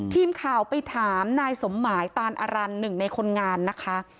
ทีมข่าวไปถามนายสมหมายตานอรันหนึ่งในคนงานนะคะ